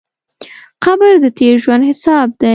قبر د تېر ژوند حساب دی.